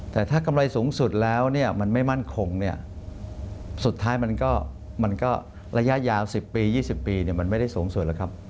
แต่ถ้ากำไรสูงสุดแล้วเนี่ยมันไม่มั่นคงเนี่ยสุดท้ายมันก็ระยะยาว๑๐ปี๒๐ปีมันไม่ได้สูงสุดแล้วครับ